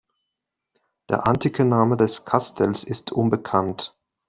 Der antike Name des Kastells ist unbekannt.